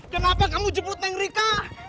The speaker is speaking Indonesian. kenapa kamu jemput neng rika